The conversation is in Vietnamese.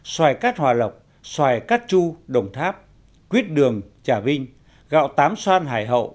xoài cát hòa lộc xoài cát chu đồng tháp quyết đường trà vinh gạo tám xoan hải hậu